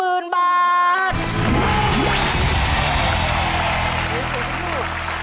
คุณกบจากจังหวัดกรุงเทพมหานคร